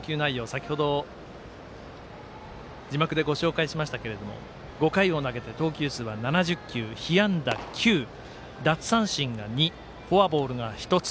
先ほど、字幕でご紹介しましたが５回を投げて投球数は７０球被安打９奪三振が２、フォアボールが１つ。